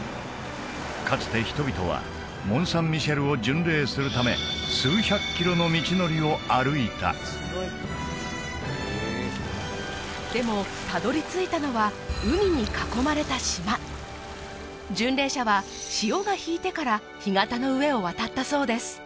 かつて人々はモン・サン・ミシェルを巡礼するため数百キロの道のりを歩いたでもたどり着いたのは巡礼者は潮が引いてから干潟の上を渡ったそうです